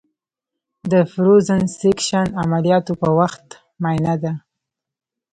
د فروزن سیکشن عملیاتو په وخت معاینه ده.